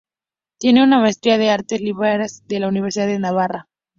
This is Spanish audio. Tiene una Maestría en Artes Liberales de la Universidad de Navarra.